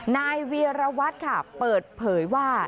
นายเวียรวัตรค่ะเปิดเผยว่า